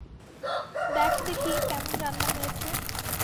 দেখ দেখি কেমন রান্না হয়েছে।